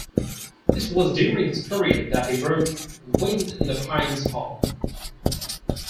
It was during this period that he wrote "Wind in the Pines Hall".